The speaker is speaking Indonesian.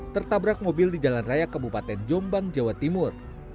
tertabrak mobil di jalan raya kabupaten jombang jawa timur